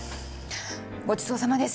ごちそうさまです。